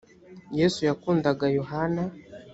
yesu yakundaga yohana.